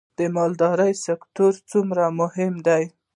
د مالدارۍ سکتور څومره مهم دی؟